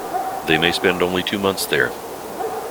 They may spend only two months there.